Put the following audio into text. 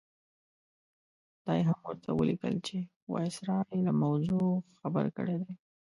دا یې هم ورته ولیکل چې وایسرا یې له موضوع خبر کړی دی.